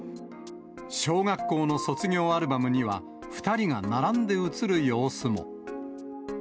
小学校の卒業アルバムには、２人が並んで写る様子も。